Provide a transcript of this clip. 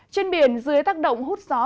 trên biển dưới tắc động hút gió